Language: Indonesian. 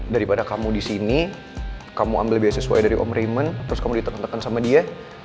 daripada kamu disini kamu ambil beasiswa dari om raymond terus kamu diteken teken sama dia